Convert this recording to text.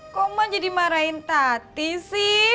kok emak jadi marahin tati sih